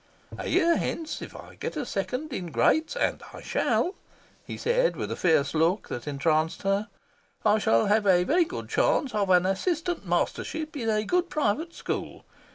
A year hence, if I get a Second in Greats and I SHALL" he said, with a fierce look that entranced her "I shall have a very good chance of an assistant mastership in a good private school.